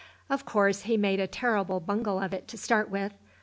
Of course he made a terrible bungle of it to start with.